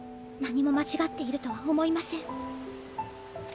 何も間違っているとは思いません。